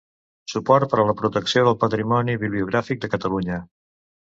Suport per a la protecció del patrimoni bibliogràfic de Catalunya.